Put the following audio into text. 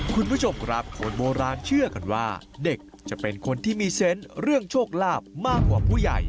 คุณผู้ชมครับคนโบราณเชื่อกันว่าเด็กจะเป็นคนที่มีเซนต์เรื่องโชคลาภมากกว่าผู้ใหญ่